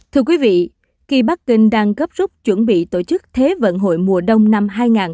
thưa quý vị khi bắc kinh đang gấp rút chuẩn bị tổ chức thế vận hội mùa đông năm hai nghìn hai mươi bốn